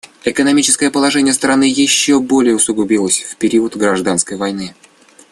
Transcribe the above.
Экономическое положение страны еще более усугубилось в период гражданской войны.